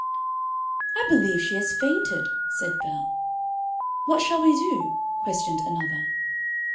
"] "I believe she has fainted," said Belle. "What shall we do?" questioned another.